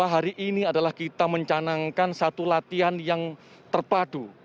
hari ini adalah kita mencanangkan satu latihan yang terpadu